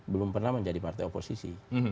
belum pernah menjadi partai oposisi